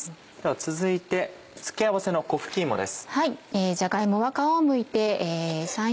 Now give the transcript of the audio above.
続いて付け合わせの粉吹き芋です。